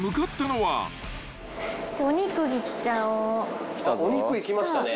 あっお肉いきましたね。